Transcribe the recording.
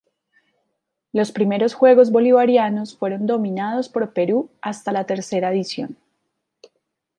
Los primeros Juegos Bolivarianos fueron dominados por Perú hasta la tercera edición.